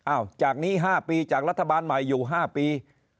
อ้าวจากนี้ห้าปีจากรัฐบาลใหม่อยู่ห้าปี